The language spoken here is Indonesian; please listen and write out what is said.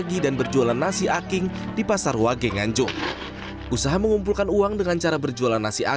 dimulai saat suaminya meninggal dunia